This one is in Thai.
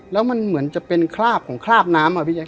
แล้วมันเหมือนจะเป็นคราบของคราบน้ำอะพี่แจ